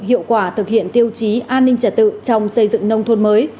hiệu quả thực hiện tiêu chí an ninh trả tự trong xây dựng nông thôn mới